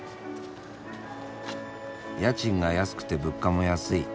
家賃が安くて物価も安い。